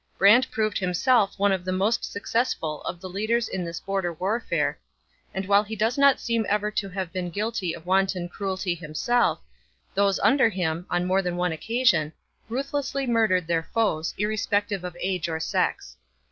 Brant proved himself one of the most successful of the leaders in this border warfare, and while he does not seem ever to have been guilty of wanton cruelty himself, those under him, on more than one occasion, ruthlessly murdered their foes, irrespective of age or sex.